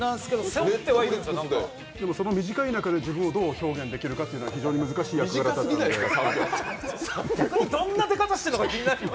でも、その短い中で自分をどう表現できるかというのは難しい役柄です。